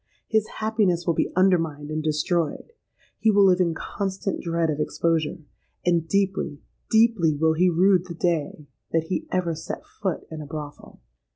His happiness will be undermined and destroyed; he will live in constant dread of exposure: and deeply—deeply will he rue the day that he ever set foot in a brothel!